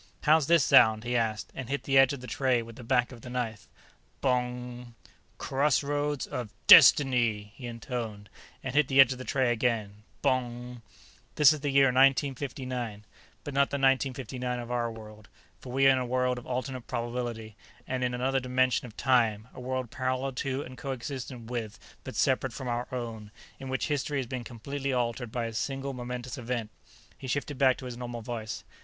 "How's this sound?" he asked, and hit the edge of the tray with the back of the knife, Bong! "Crossroads of Destiny!" he intoned, and hit the edge of the tray again, Bong! "This is the year 1959 but not the 1959 of our world, for we are in a world of alternate probability, in another dimension of time; a world parallel to and coexistent with but separate from our own, in which history has been completely altered by a single momentous event." He shifted back to his normal voice.